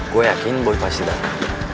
gue yakin boy pasti datang